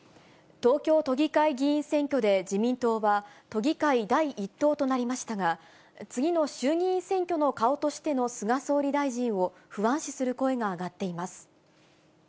東京都議会議員選挙で、自民党は、都議会第１党となりましたが、次の衆議院選挙の顔としての菅総理大臣を不安視する声が上がっています。